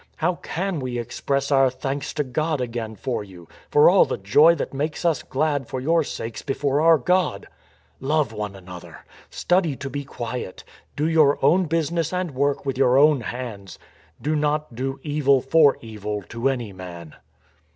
How can we express our thanks to God again for you, for all the joy that makes us glad for, your sakes before our God? ... Love one another. Study to be quiet. Do your own business and work with your own hands. ... Do not do evil for evil to any man."